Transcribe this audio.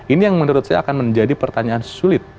ini yang menurut saya akan menjadi pertanyaan sulit